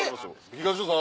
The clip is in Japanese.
東野さん